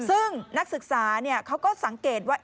ซึ่งนักศึกษาเขาก็สังเกตว่า